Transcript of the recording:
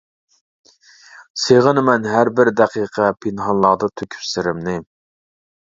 سېغىنىمەن ھەر بىر دەقىقە، پىنھانلاردا تۆكۈپ سىرىمنى.